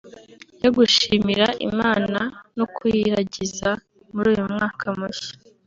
yo gushimira Imana no kuyiragiza muri uyu mwaka mushya